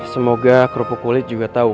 semoga kerupuk kulit juga tahu